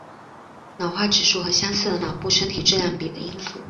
脑化指数和相似的脑部身体质量比的因素。